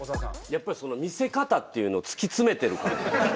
やっぱり見せ方っていうのを突き詰めてるから。